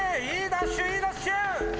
ダッシュいいダッシュ！